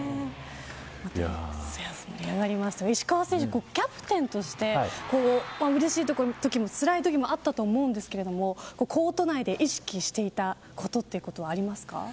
石川選手、キャプテンとして苦しいとき、うれしいときもつらいときもあったと思いますがコート内で意識していたことはありますか。